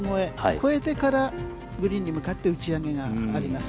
越えてから、グリーンに向かって打ち上げがあります。